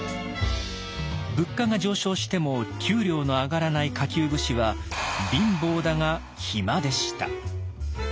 物価が上昇しても給料の上がらない下級武士は貧乏だが暇でした。